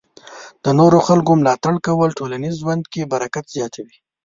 د نورو خلکو ملاتړ کول ټولنیز ژوند کې برکت زیاتوي.